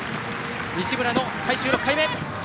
西村の最終６回目